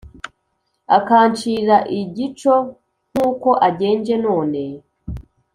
akancira igico nk’uko agenje none?